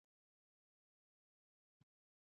دښو نه ښه زیږیږي، د بدونه واښه.